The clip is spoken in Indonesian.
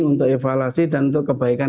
untuk evaluasi dan untuk kebaikan